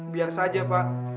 biar saja pak